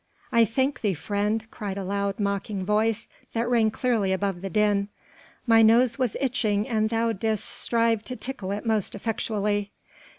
"I thank thee, friend," cried a loud, mocking voice that rang clearly above the din, "my nose was itching and thou didst strive to tickle it most effectually.